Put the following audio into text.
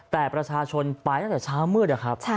แต่ประชาชนปลายตั้งแต่ช้าเมื่อ